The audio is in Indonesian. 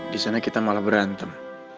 di sana kita malah berantem